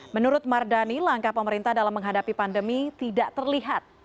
menurut mardani langkah pemerintah dalam menghadapi pandemi tidak terlihat